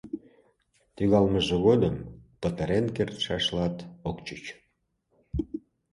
Тӱҥалмыже годым — пытарен кертшашлат ок чуч.